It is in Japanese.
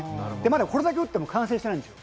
これだけ打っても、まだ完成してないんです。